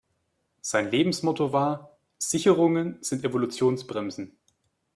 Sein Lebensmotto war: Sicherungen sind Evolutionsbremsen.